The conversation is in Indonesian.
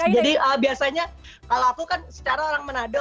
jadi biasanya kalau aku kan secara orang manado